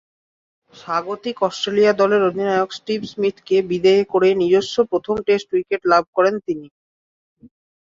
স্বাগতিক অস্ট্রেলিয়া দলের অধিনায়ক স্টিভ স্মিথকে বিদেয় করে নিজস্ব প্রথম টেস্ট উইকেট লাভ করেন তিনি।